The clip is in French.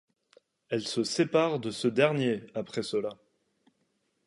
Elle se sépare de ce dernier après cela.